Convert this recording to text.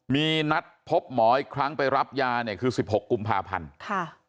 มีนัดพบหมออีกครั้งไปรับยาคือ๑๖กุมภาพันธุ์